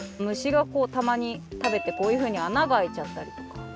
むしがこうたまにたべてこういうふうにあながあいちゃったりとか。